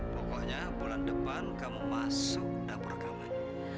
pokoknya bulan depan kamu masuk dapur kamu